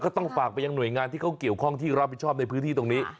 ต้องฝากไปยังหน่วยงานที่เขาเกี่ยวข้องที่รับผิดชอบในพื้นที่ตรงนี้